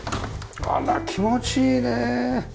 あら気持ちいいね。